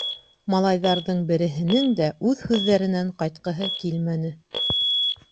Малайҙарҙың береһенең дә үҙ һүҙҙәренән ҡайтҡыһы килмәне.